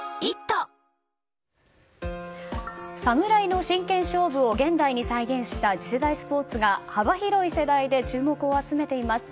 侍の真剣勝負を現代に再現した次世代スポーツが幅広い世代で注目を集めています。